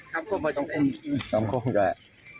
ครับคุณประชุมครับคุณครับ